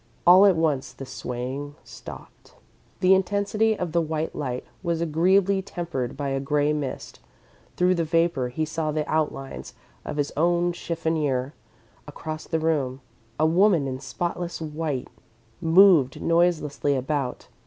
All at once the swaying stopped. The intensity of the white light was agreeably tempered by a grey mist. Through the vapour, he saw the outlines of his own chiffonier, across the room. A woman in spotless white moved noiselessly about.